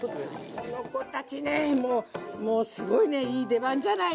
この子たちねもうもうすごいねいい出番じゃないの。